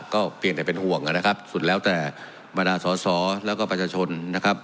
ก็เพียงแต่เป็นห่วงนะครับสุดแล้วแต่บรรดาสอสอแล้วก็ประชาชนนะครับ